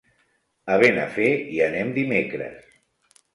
A Benafer hi anem dimecres.